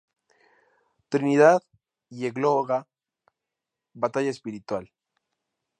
Trinidad" y "Égloga: batalla espiritual".